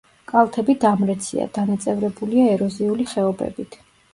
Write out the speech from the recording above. კალთები დამრეცია, დანაწევრებულია ეროზიული ხეობებით.